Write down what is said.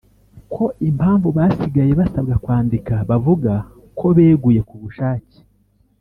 ko impamvu basigaye basabwa kwandika bavuga ko beguye ku bushake